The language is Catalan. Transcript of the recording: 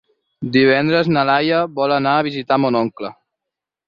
Divendres na Laia vol anar a visitar mon oncle.